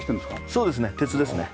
そうですね鉄ですね。